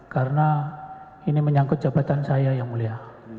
karena ini menyangkut jabatan saya ya mulia